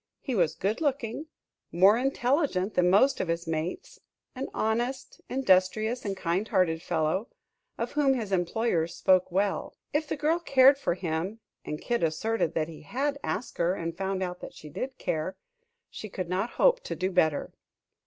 He was good looking, more intelligent than most of his mates, an honest, industrious and kind hearted fellow, of whom his employers spoke well. If the girl cared for him and Kid asserted that he had asked her and found out that she did care she could not hope to do better.